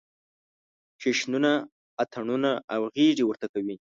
جشنونه، اتڼونه او غېږې ورته کوي.